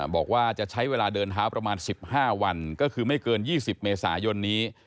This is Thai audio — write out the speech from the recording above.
บอกว่าจะใช้เวลาเดินทางประมาณสิบห้าวันก็คือไม่เกินยี่สิบเมษายนนี้